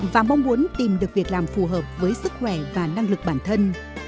và mong muốn tìm được việc làm phù hợp với sức khỏe và năng lực bản thân